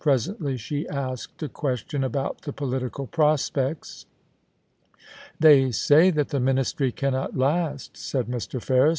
Presently she asked a question about the political prospects. * They say that the Ministry cannot last,' said Mr. Ferris.